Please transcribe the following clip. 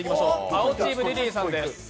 青チーム、リリーさんです。